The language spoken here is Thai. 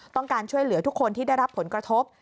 ต้องการช่วยเหลือทุกคนที่ได้รับผลกระทบ